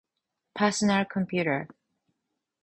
パーソナルコンピューター